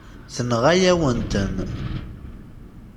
Tenɣa-yawen-ten.